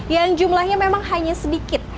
yang jumlahnya memang hanya sedikit